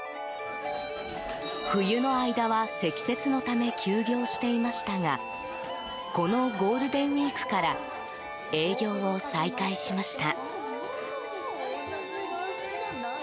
冬の間は積雪のため休業していましたがこのゴールデンウィークから営業を再開しました。